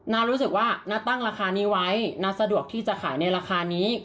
รู้สึกว่าน้าตั้งราคานี้ไว้น้าสะดวกที่จะขายในราคานี้